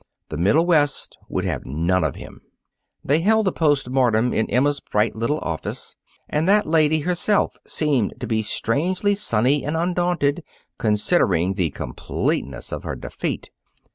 The Middle West would have none of him. They held the post mortem in Emma's bright little office, and that lady herself seemed to be strangely sunny and undaunted, considering the completeness of her defeat.